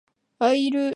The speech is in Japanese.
アイルランド